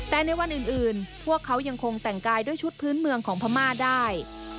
แต่ในวันอื่นพวกเขายังคงแต่งกายด้วยชุดพื้นเมืองของพม่าได้